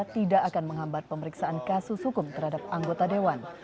tidak akan menghambat pemeriksaan kasus hukum terhadap anggota dewan